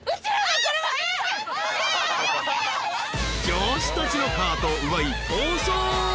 ［女子たちのカートを奪い逃走！］